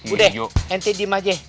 udah ente diima je